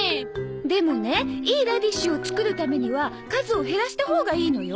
でもねいいラディッシュを作るためには数を減らしたほうがいいのよ。